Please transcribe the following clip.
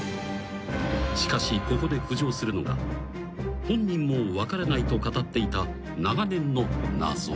［しかしここで浮上するのが本人も分からないと語っていた長年の謎］